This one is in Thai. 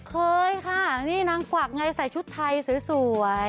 เคยค่ะนี่นางกวักไงใส่ชุดไทยสวย